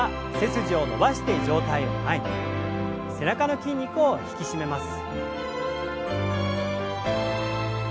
背中の筋肉を引き締めます。